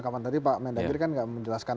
kapan tadi pak mendagri kan nggak menjelaskan